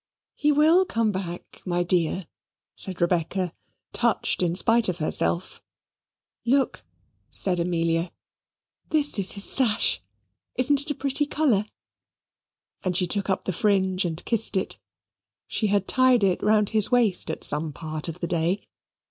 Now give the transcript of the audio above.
"He will come back, my dear," said Rebecca, touched in spite of herself. "Look," said Amelia, "this is his sash isn't it a pretty colour?" and she took up the fringe and kissed it. She had tied it round her waist at some part of the day.